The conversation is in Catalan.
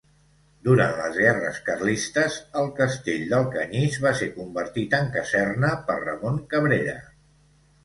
Durant les guerres carlistes, el castell d'Alcanyís va ser convertit en caserna per Ramon Cabrera.